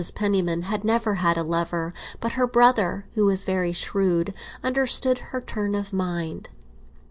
Penniman had never had a lover, but her brother, who was very shrewd, understood her turn of mind.